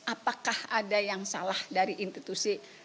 apakah ada yang salah dari institusi